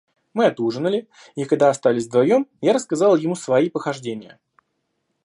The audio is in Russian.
Мы отужинали, и, когда остались вдвоем, я рассказал ему свои похождения.